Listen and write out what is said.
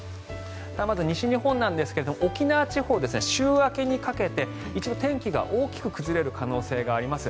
まず西日本ですが沖縄地方、週明けにかけて一部、天気が大きく崩れる可能性があります。